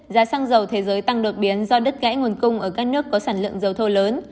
giá xăng dầu thế giới tăng đột biến do đứt gãy nguồn cung ở các nước có sản lượng dầu thô lớn